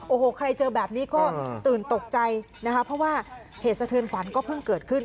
โอ้โหใครเจอแบบนี้ก็ตื่นตกใจนะคะเพราะว่าเหตุสะเทือนขวัญก็เพิ่งเกิดขึ้น